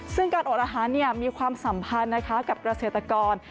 ซึ่งการอดอาหารมีความสัมพันธ์นะคะกับเกษตรกร